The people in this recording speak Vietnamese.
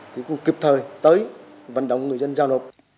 thì cũng kịp thời tới vận động người dân giao nộp